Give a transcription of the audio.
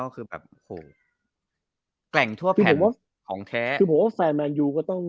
คือแบบโหแกร่งทั่วพี่ผมว่าของแท้คือผมว่าแฟนแมนยูก็ต้อง